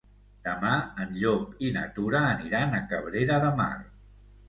Demà en Llop i na Tura aniran a Cabrera de Mar.